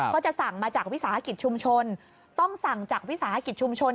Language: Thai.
ก็จะสั่งมาจากวิสาหกิจชุมชนต้องสั่งจากวิสาหกิจชุมชน